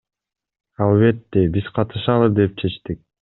Албетте, биз катышалы деп чечтик.